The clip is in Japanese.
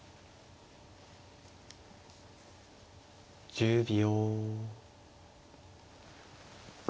１０秒。